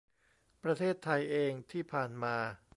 ประเทศไทยเองที่ผ่านมา